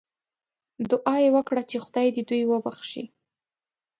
دعا یې وکړه چې خدای دې دوی وبخښي.